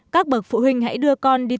các bậc phụ huynh hãy đưa con đi tiêm